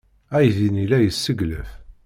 Aydi-nni la yesseglaf.